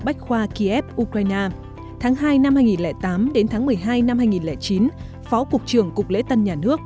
bộ ngoại truyền thông tin